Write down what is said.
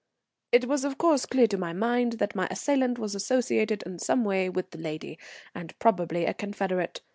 It was, of course, clear to my mind that my assailant was associated in some way with the lady, and probably a confederate.